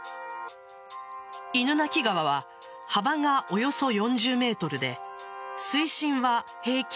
犬鳴川は幅がおよそ４０ｍで水深は平均